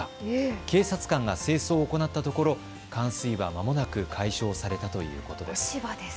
警察官が清掃を行ったところ冠水はまもなく解消されたということです。